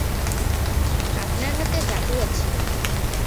আপনার হাতে জাদু আছে।